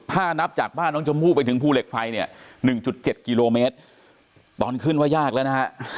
ถ้านับจากบ้านน้องจมูกไปถึงภูเหล็กไฟ๑๗กิโลเมตรตอนขึ้นก็ยากนะ